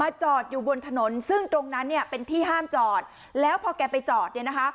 จอดอยู่บนถนนซึ่งตรงนั้นเนี่ยเป็นที่ห้ามจอดแล้วพอแกไปจอดเนี่ยนะคะ